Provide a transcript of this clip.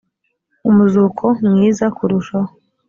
umuzuko mwiza kurushaho